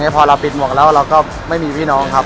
พอเราปิดหมวกแล้วเราก็ไม่มีพี่น้องครับ